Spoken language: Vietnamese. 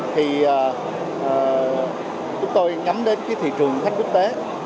thì chúng tôi nhắm đến thị trường khách quốc tế